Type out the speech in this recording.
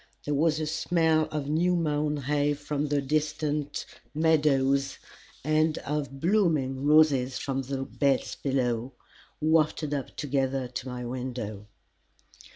There was a smell of new mown hay from the distant meadows, and of blooming roses from the beds below, wafted up together to my window.